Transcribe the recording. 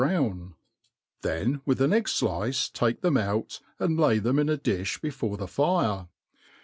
iij Vfown^ then with ah cgg flicc take them out, and lay them in a difh before the fire.